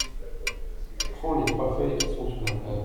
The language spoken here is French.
Prends les trois feuilles qui sont sur la table.